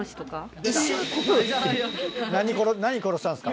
何何殺したんですか？